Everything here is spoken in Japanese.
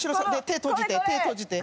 手閉じて。